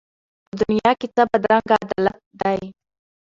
په دنیا کي څه بدرنګه عدالت دی